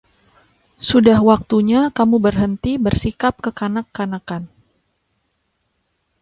Sudah waktunya kamu berhenti bersikap kekanak-kanakan.